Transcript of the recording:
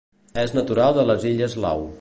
És natural de les Illes Lau.